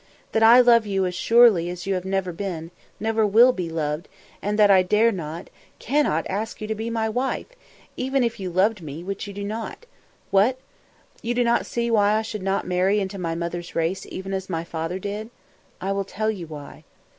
That I love you as surely you never have been, never will be loved, and that I dare not, can not ask you to be my wife, even if you loved me which you do not. .. What? You do not see why I should not marry into my mother's race even as my father did? I will tell you why."